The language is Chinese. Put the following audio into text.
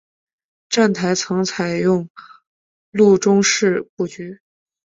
站台层采用路中侧式布局。